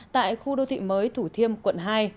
tại khu đô thị mới thủ thiêm quận hai